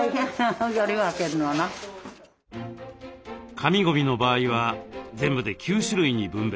紙ゴミの場合は全部で９種類に分別。